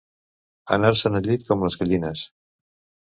Anar-se'n al llit com les gallines.